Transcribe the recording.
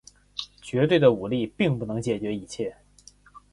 绝对的武力并不能解决一切。